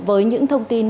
với những thông tin